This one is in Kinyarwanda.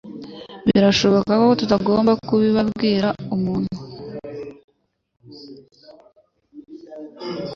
Birashoboka ko tutagomba kubibwira umuntu.